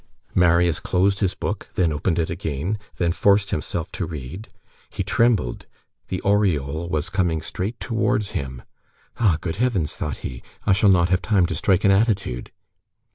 Marius closed his book, then opened it again, then forced himself to read; he trembled; the aureole was coming straight towards him. "Ah! good Heavens!" thought he, "I shall not have time to strike an attitude."